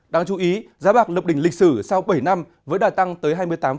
đáng chú ý giá bạc lập đỉnh lịch sử sau bảy năm với đà tăng tới hai mươi tám